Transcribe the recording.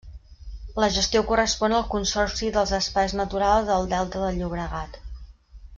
La gestió correspon al Consorci dels Espais Naturals del Delta del Llobregat.